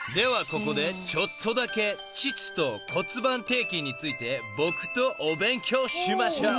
ここでちょっとだけ膣と骨盤底筋について僕とお勉強しましょう］